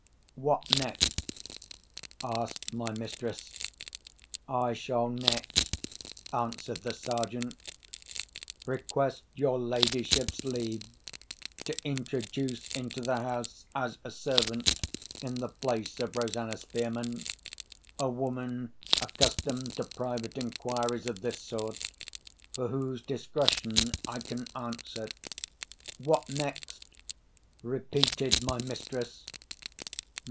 "What next?" asked my mistress. "I shall next," answered the Sergeant, "request your ladyship's leave to introduce into the house, as a servant in the place of Rosanna Spearman, a woman accustomed to private inquiries of this sort, for whose discretion I can answer." "What next?" repeated my mistress.